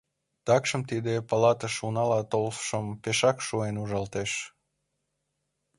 Такшым тиде палатыш унала толшым пешак шуэн ужалтеш.